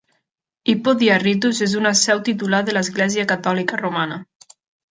Hippo Diarrhytus és una seu titular de l'església catòlica romana.